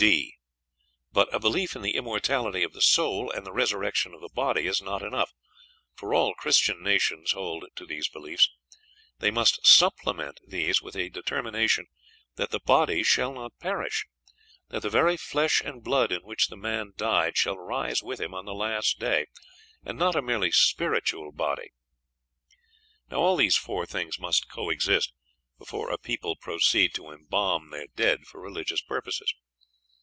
d. But a belief in the immortality of the soul and the resurrection of the body is not enough, for all Christian nations hold to these beliefs; they must supplement these with a determination that the body shall not perish; that the very flesh and blood in which the man died shall rise with him on the last day, and not a merely spiritual body. Now all these four things must coexist before a people proceed to embalm their dead for religious purposes.